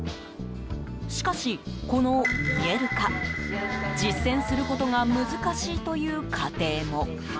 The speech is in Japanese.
しかし、この見える化実践することが難しいという家庭も。